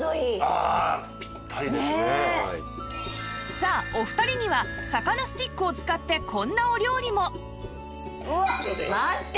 さあお二人には魚スティックを使ってこんなお料理もうわっ待ってました。